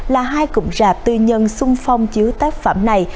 là hai cụm rạp tư nhân sung phong chiếu tác phẩm này